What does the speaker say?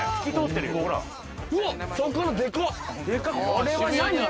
これは何？